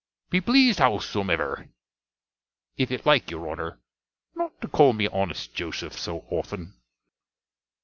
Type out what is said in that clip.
Be pleased, howsomever, if it like your Honner, not to call me honest Joseph, so often.